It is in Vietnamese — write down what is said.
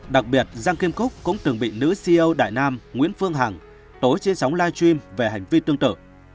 đặc biệt giang kim cúc cũng từng bị nữ câu đại nam nguyễn phương hằng tối trên sóng live stream về hành vi tương tự